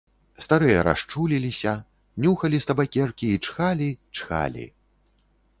Старыя расчуліліся, нюхалі з табакеркі і чхалі, чхалі.